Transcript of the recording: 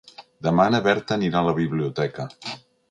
Demà na Berta anirà a la biblioteca.